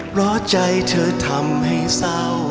เพราะใจเธอทำให้เศร้า